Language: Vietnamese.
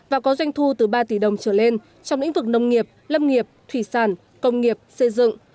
và có doanh thu từ ba tỷ đồng trở lên trong lĩnh vực nông nghiệp lâm nghiệp thủy sản công nghiệp xây dựng